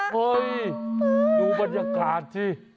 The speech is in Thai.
เฮ้ยดูบรรยากาศสิ